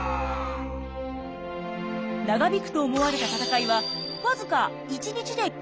長引くと思われた戦いはわずか１日で決着。